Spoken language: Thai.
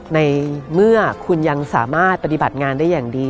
ในเมื่อคุณยังสามารถปฏิบัติงานได้อย่างดี